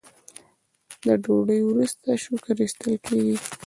د ډوډۍ وروسته شکر ایستل کیږي.